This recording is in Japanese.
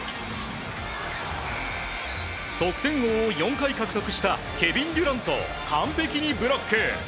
得点王を４回獲得したケビン・デュラントを完璧にブロック！